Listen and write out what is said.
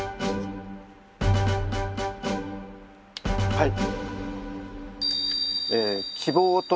はい。